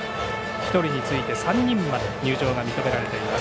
１人について３人まで入場が認められています。